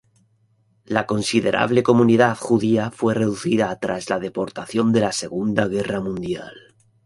La considerable comunidad judía fue reducida tras la deportación de la Segunda Guerra Mundial.